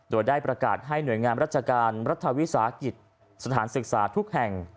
โดยได้ประกาศให้หน่วยงานราชการรัฐวิสาหกิจสถานศึกษาทุกแห่ง